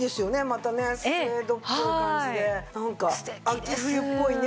またねスエードっぽい感じでなんか秋冬っぽいね。